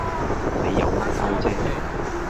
你有乜收啫